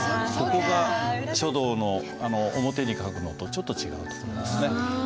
そこが書道の表に書くのとちょっと違うところですね。